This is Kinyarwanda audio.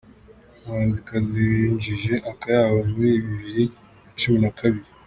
muhanzikazi winjije akayabo muri bibiri nacumi nakabiri